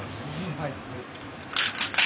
はい。